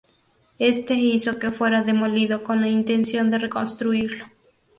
Éste hizo que fuera demolido con la intención de reconstruirlo.